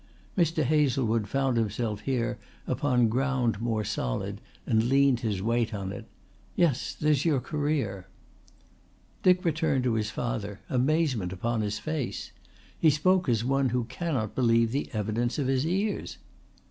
Mr. Hazlewood found himself here upon ground more solid and leaned his weight on it. "Yes, there's your career." Dick returned to his father, amazement upon his face. He spoke as one who cannot believe the evidence of his ears.